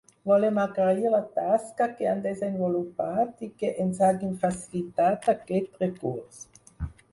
Volem agrair la tasca que han desenvolupat i que ens hagin facilitat aquest recurs.